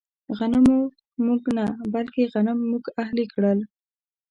غنمو موږ نه، بلکې غنم موږ اهلي کړل.